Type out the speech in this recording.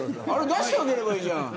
出してあげればいいじゃん。